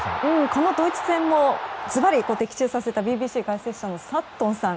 このドイツ戦もズバリ的中させたＢＢＣ記者のサットンさん。